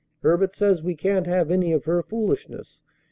Herbert says we can't have any of her foolishness.